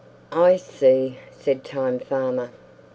"I see," said time farmer.